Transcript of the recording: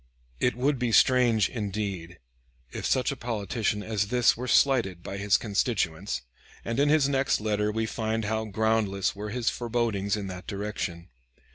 It would be strange, indeed, if such a politician as this were slighted by his constituents, and in his next letter we find how groundless were his forebodings in that direction.